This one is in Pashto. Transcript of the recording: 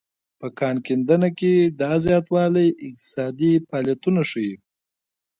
په کان کیندنه کې دا زیاتوالی اقتصادي فعالیتونه ښيي.